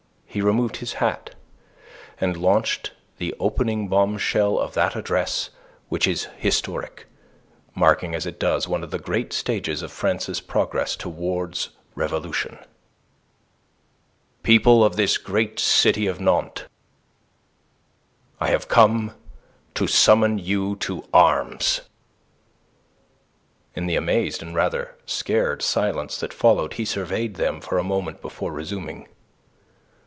He removed his hat, and launched the opening bombshell of that address which is historic, marking as it does one of the great stages of France's progress towards revolution. "People of this great city of Nantes, I have come to summon you to arms!" In the amazed and rather scared silence that followed he surveyed them for a moment before resuming.